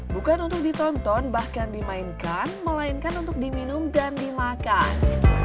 bukan untuk ditonton bahkan dimainkan melainkan untuk diminum dan dimakan